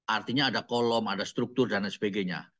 artinya ada kolom ada struktur dan lain sebagainya